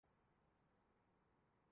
یہ اللہ ہی جانے۔